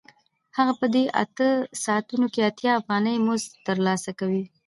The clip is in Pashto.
هغه په دې اته ساعتونو کې اتیا افغانۍ مزد ترلاسه کوي